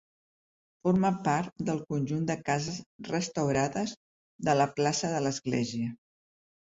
Forma part del conjunt de cases restaurades de la plaça de l'església.